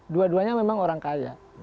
dua duanya memang orang kaya